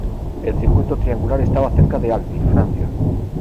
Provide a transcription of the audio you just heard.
El circuito triangular estaba cerca de Albi, Francia.